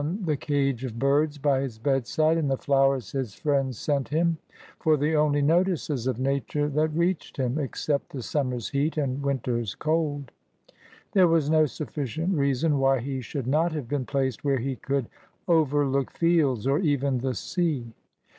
the cage of birds by his bed side, and the flowers his friends sent him, for the only notices of Nature that reached him, except the summer's heat and winter's cold. There was no sufficient reason why he should not have been placed where he could overlook fields, or even the sea.